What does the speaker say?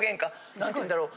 何て言うんだろう？